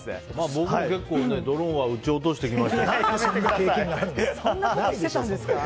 僕も結構ドローンは撃ち落としてきましたから。